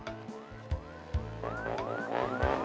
cantik banget bang jamil